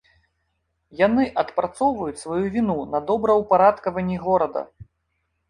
Яны адпрацоўваюць сваю віну на добраўпарадкаванні горада.